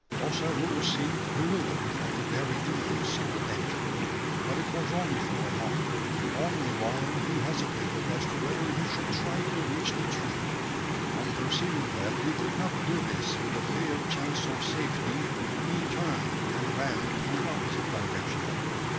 Ossaroo seemed bewildered at the very imminence of the danger. But it was only for a moment only while he hesitated as to whether he should try to reach the tree. On perceiving that he could not do this with a fair chance of safety, he turned and ran in an opposite direction.